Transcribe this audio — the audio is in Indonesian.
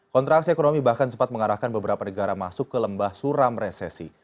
kontraksi ekonomi bahkan sempat mengarahkan beberapa negara masuk ke lembah suram resesi